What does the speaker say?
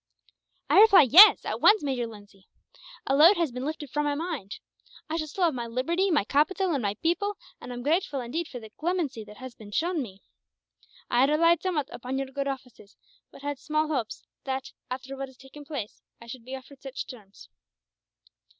"I reply yes, at once, Major Lindsay. A load has been lifted from my mind. I shall still have my liberty, my capital, and my people; and am grateful, indeed, for the clemency that has been shown me. I had relied somewhat upon your good offices; but had small hopes that, after what has taken place, I should be offered such terms."